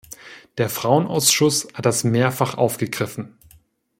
Der Frauenausschuss hat das mehrfach aufgegriffen.